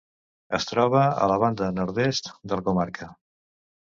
Es troba a la banda nord-est de la comarca.